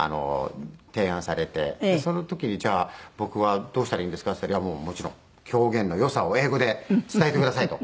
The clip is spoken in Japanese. その時に「じゃあ僕はどうしたらいいんですか？」って言ったら「いやもうもちろん狂言の良さを英語で伝えてください」と。